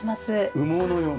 羽毛のような。